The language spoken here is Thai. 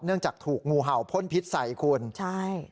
จากถูกงูเห่าพ่นพิษใส่คุณใช่